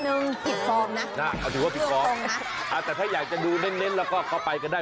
น้ำมันหนึ่งปิดโฟมนะเอาถือว่าปิดโฟมแต่ถ้าอยากจะดูเน้นแล้วก็ไปก็ได้